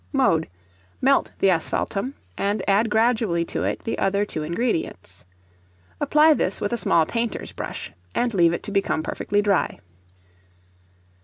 Mode. Melt the asphaltum, and add gradually to it the other two ingredients. Apply this with a small painter's brush, and leave it to become perfectly dry.